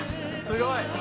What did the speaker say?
「すごいな」